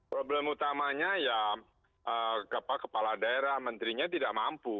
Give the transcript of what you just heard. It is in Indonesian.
problem utamanya ya kepala daerah menterinya tidak mampu